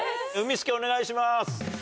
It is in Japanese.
スケお願いします。